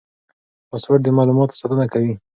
پاسورډ د معلوماتو ساتنه کوي.